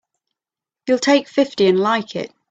You'll take fifty and like it!